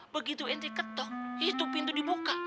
begitu inti ketok itu pintu dibuka